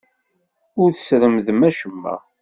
Ur tesremdeḍ acemma.